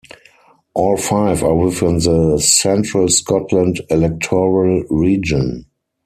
All five are within the Central Scotland electoral region.